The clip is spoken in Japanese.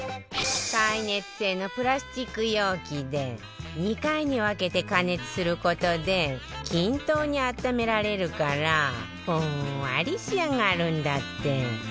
耐熱性のプラスチック容器で２回に分けて加熱する事で均等に温められるからふんわり仕上がるんだって